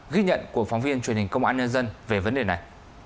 ghi nhận của phóng viên truyền hình công an nhân dân về vấn đề này